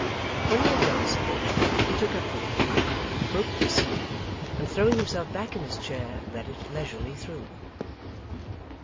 When he had done so, he took up the letter, broke the seal, and throwing himself back in his chair, read it leisurely through.